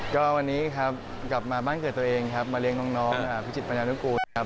ก็วันนี้ครับกลับมาบ้านเกิดตัวเองครับมาเลี้ยงน้องพิจิตปัญญานุกูลครับ